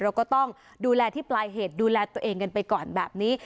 เราก็ต้องดูแลที่ปลายเหตุดูแลตัวเองกันไปก่อนแบบนี้